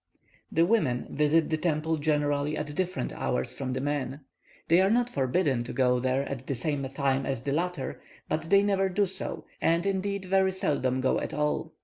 The women visit the temple generally at different hours from the men. They are not forbidden to go there at the same time as the latter; but they never do so, and, indeed, very seldom go at all.